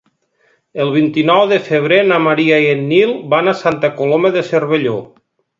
El vint-i-nou de febrer na Maria i en Nil van a Santa Coloma de Cervelló.